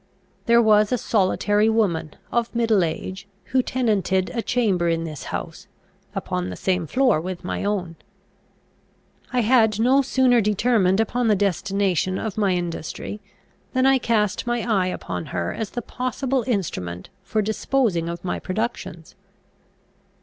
There was a solitary woman, of middle age, who tenanted a chamber in this house, upon the same floor with my own. I had no sooner determined upon the destination of my industry than I cast my eye upon her as the possible instrument for disposing of my productions.